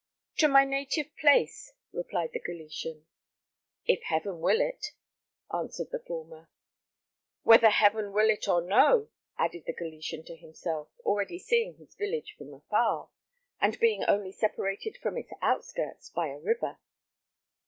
"To my native place," replied the Galician. "If Heaven will it," answered the former. "Whether Heaven will it or no," added the Galician to himself, already seeing his village from afar, and being only separated from its outskirts by a river.